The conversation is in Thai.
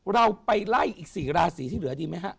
เราไปไล่อีก๔ราศีที่เหลือดีไหมฮะ